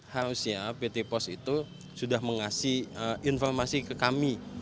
harusnya pt pos itu sudah mengasih informasi ke kami